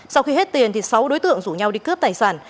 sau khi hết tiền sáu đối tượng rủ nhau đi cướp tài sản